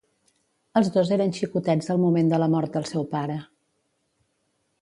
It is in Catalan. Els dos eren xicotets al moment de la mort del seu pare.